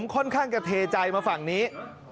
ค่อนข้างจะเทใจมาฝั่งนี้